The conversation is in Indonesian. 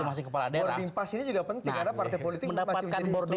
boarding pass ini juga penting karena partai politik masih menjadi